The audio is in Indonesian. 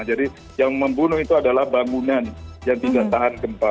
jadi yang membunuh itu adalah bangunan yang tidak tahan gempa